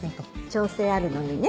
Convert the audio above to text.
調整あるのみね。